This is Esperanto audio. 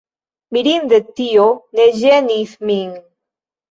Mirinde tio ne ĝenis min.